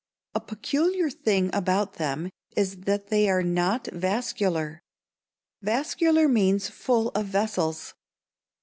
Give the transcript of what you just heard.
A peculiar thing about them is that they are not vascular. Vascular means full of vessels.